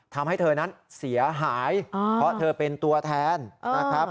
ทำให้เธอนั้นเสียหายเพราะเธอเป็นตัวแทนนะครับ